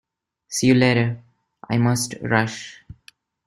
See you later. I must rush.